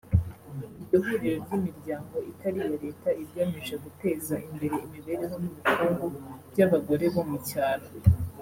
Iryo huriro ry’imiryango itari iya Leta igamije guteza imbere imibereho n’ubukungu by’abagore bo mu cyaro